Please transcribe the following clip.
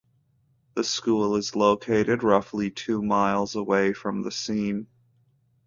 The school is located roughly two miles away from the scene.